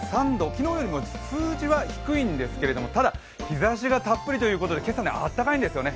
昨日よりも数字は低いんですけれども、ただ、日ざしがたっぷりということで今朝、暖かいんですね。